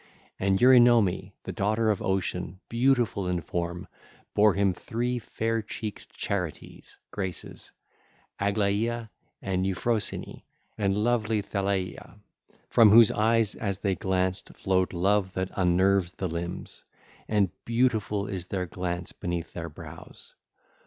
(ll. 907 911) And Eurynome, the daughter of Ocean, beautiful in form, bare him three fair cheeked Charites (Graces), Aglaea, and Euphrosyne, and lovely Thaleia, from whose eyes as they glanced flowed love that unnerves the limbs: and beautiful is their glance beneath their brows.